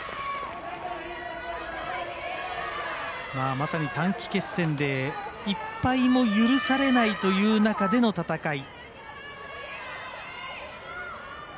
まさに短期決戦で１敗も許されないという中での戦い。